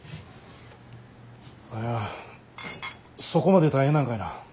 そこまで大変なんかいな。